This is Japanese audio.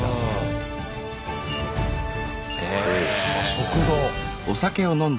食堂。